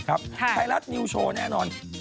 ไทยรัฐนิวโชว์แน่นอน